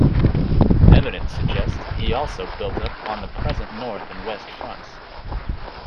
Evidence suggests he also built up on the present north and west fronts.